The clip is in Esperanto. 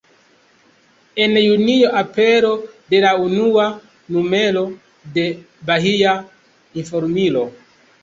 En Junio apero de la unua numero de “Bahia Informilo”.